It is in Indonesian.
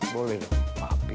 boleh dong pak pi